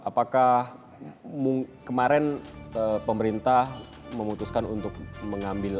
apakah kemarin pemerintah memutuskan untuk mengambil